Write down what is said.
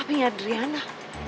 apa yang di riana